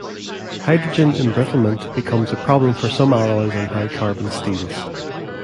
Hydrogen embrittlement becomes a problem for some alloys and high-carbon steels.